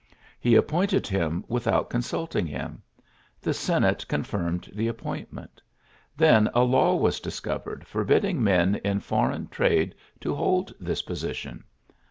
He appointed him with 3onsulting him. The Senate con d the appointment. Then a law iiscovered forbidding men in for trade to hold this position.